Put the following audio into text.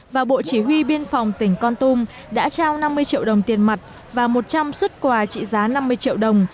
và bộ chỉ huy biên phòng tỉnh con tum đã trao năm mươi triệu đồng tiền mặt và một trăm linh xuất quà trị giá năm mươi triệu đồng